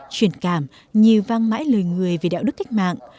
truyền cảm như vang mãi lời người về đạo đức cách mạng